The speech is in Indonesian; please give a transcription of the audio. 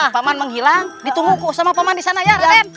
paman menghilang ditunggu sama paman disana ya raden